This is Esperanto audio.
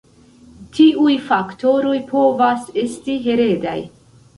Tiuj faktoroj povas esti heredaj.